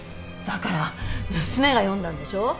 だから娘が読んだんでしょう！